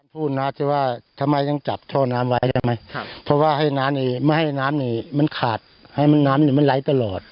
พูดนะที่ว่าทำไมยังจับโชว์น้ำไว้ได้ไหมเพราะว่าไม่ให้น้ำหนีมันขาดให้น้ำหนีมันไหลตลอด